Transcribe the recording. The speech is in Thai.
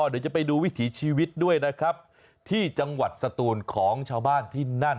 เดี๋ยวจะไปดูวิถีชีวิตด้วยนะครับที่จังหวัดสตูนของชาวบ้านที่นั่น